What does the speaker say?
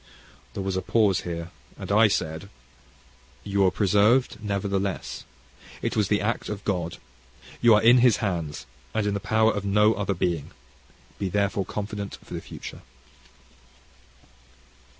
There was a pause here, and I said, "You were preserved nevertheless. It was the act of God. You are in His hands and in the power of no other being: be therefore confident for the future."